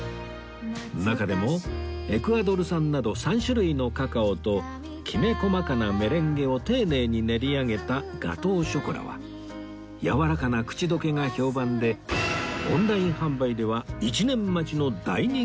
中でもエクアドル産など３種類のカカオときめ細かなメレンゲを丁寧に練り上げたガトーショコラはやわらかな口溶けが評判でオンライン販売では１年待ちの大人気商品